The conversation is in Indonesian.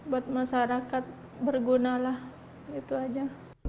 buat masyarakat berguna lah gitu aja